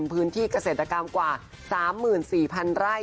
พื้นที่เกษตรกรรมกว่า๓๔๐๐๐ไร่